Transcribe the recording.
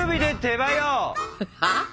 はあ？